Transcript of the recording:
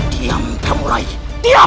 diam kamu lagi diam